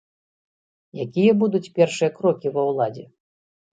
Якія будуць першыя крокі ва ўладзе?